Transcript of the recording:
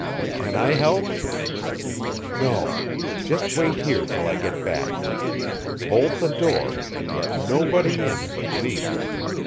"Can I help?" "No. Just wait here till I get back. Bolt the door, and let nobody in but me.